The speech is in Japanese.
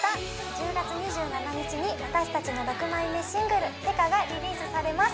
１０月２７日に私達の６枚目シングル「ってか」がリリースされます